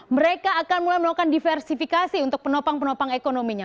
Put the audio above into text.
mereka akan mulai melakukan diversifikasi untuk penopang penopang ekonominya